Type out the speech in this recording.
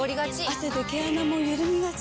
汗で毛穴もゆるみがち。